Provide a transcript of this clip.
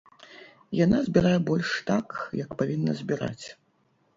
Яна збірае больш так, як павінна збіраць.